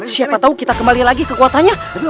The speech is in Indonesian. siapa tahu kita kembali lagi kekuatannya